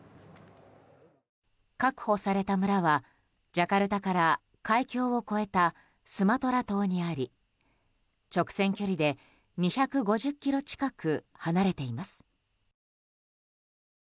確保された村はジャカルタから海峡を越えたスマトラ島にあり、直線距離で２５０ｋｍ近く離れています。